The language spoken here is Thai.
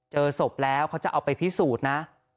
เจอศพแล้วเขาจะเอาไปพิสูจน์นะ